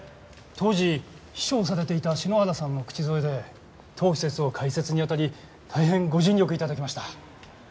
当時秘書をされていた篠原さんの口添えで当施設の開設にあたり大変ご尽力頂きました。